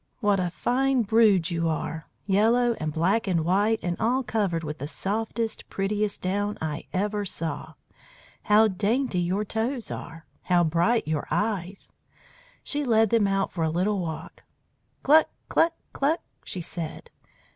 What a fine brood you are! Yellow and black and white, and all covered with the softest, prettiest down I ever saw. How dainty your toes are! How bright are your eyes!" She led them out for a little walk. "Cluck! cluck! cluck!" she said.